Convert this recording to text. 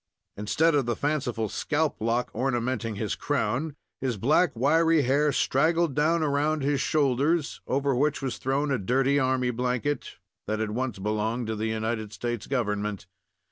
Instead of the fanciful scalp lock ornamenting his crown, his black, wiry hair straggled down around his shoulders, over which was thrown a dirty army blanket, that had once belonged to the United States government.